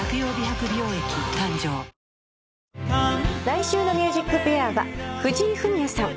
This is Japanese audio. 来週の『ＭＵＳＩＣＦＡＩＲ』は藤井フミヤさん。